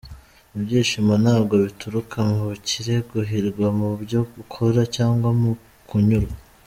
Ibyishimo ntabwo bituruka mu bukire, guhirwa mu byo ukora cyangwa mu kunyurwa.